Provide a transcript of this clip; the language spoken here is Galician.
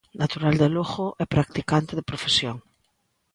Natural de Lugo e practicante de profesión.